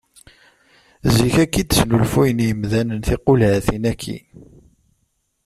Ziɣ akka i d-snulfuyen yimdanen tiqulhatin-aki.